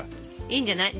いいんじゃない。